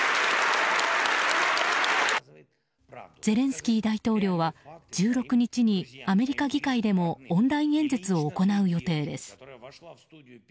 ゼレンスキー大統領は１６日にアメリカ議会でもオンライン演説を行う予定です。